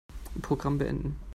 Programm beenden.